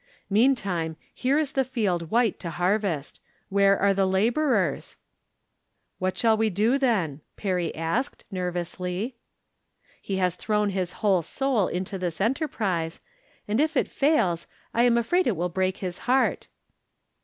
Mean time here is the field white to harvest. "Where are the laborers ?"" What shall we do, then ?" Perry asked, ner vously. He has thrown his whole soul into tliis enter prise, and if it fails I am afraid it will break his heart.